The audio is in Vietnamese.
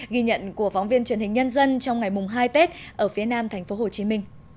ghi nhận của phóng viên truyền hình nhân dân trong ngày hai tết ở phía nam tp hcm